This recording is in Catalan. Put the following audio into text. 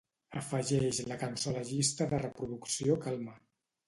Afegeix la cançó a la llista de reproducció Calma.